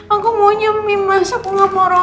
aku maunya mie mas aku gak mau roti